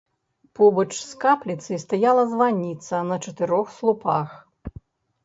Побач з капліцай стаяла званіца на чатырох слупах.